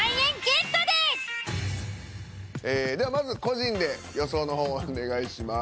ではまず個人で予想の方をお願いします。